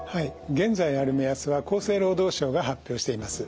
現在ある目安は厚生労働省が発表しています。